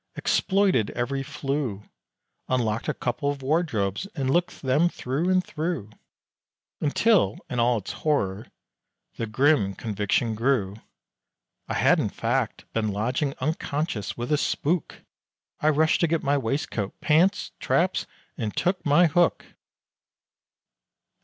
exploited every flue, Unlocked a couple of wardrobes and looked them thro' and thro', Until in all its horror, the grim conviction grew, I had in fact been lodging unconscious with a spook! I rushed to get my waistcoat, pants, traps, and took my hook!